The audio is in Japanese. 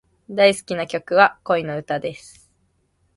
大好きな曲は、恋の歌です。